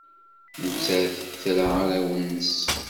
Nettat tra arraw-nnes.